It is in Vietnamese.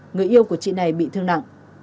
người yêu của chị này bị thương nặng